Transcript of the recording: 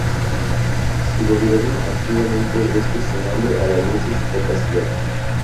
Si gobernó activamente es cuestionable a la luz de su discapacidad.